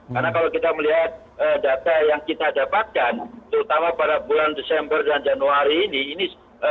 karena kalau kita melihat data yang kita dapatkan terutama pada bulan desember dan januari ini